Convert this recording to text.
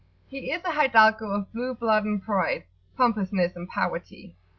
He is a hidalgo of blue blood in pride, pompousness and poverty.